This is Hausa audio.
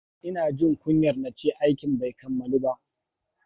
Ina jin kunyar na ce aikin bai kammalu ba.